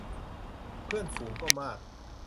เพื่อนฝูงก็มาก